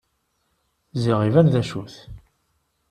Ziɣ iban d acu-t.